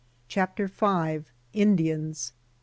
CHAPTER V. INDIANS.